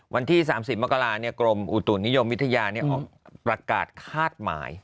วันที่๓๐มกรากรมอุตุนิยมวิทยาออกประกาศคาดหมาย